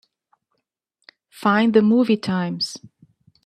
Find the movie times.